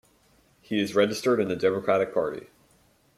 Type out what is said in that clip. He is registered in the Democratic Party.